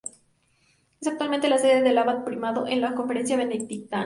Es actualmente la sede del abad primado de la Confederación Benedictina.